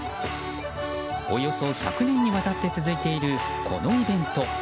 およそ１００年にわたって続いているこのイベント。